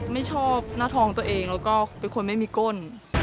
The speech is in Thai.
ไม่ชอบหน้าทองตัวเองแล้วก็เป็นคนไม่มีก้น